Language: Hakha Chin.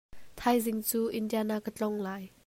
Thaizing cu Indiana ka tlawng lai.